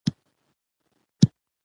یوه روڼه کتابونه په کلاسه کې لوستي.